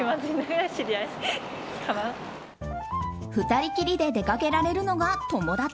２人きりで出かけられるのが友達。